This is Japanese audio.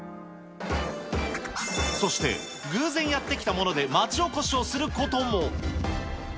そして、偶然やって来たもので町おこしをすることも。